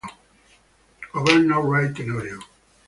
Governor Ray Tenorio.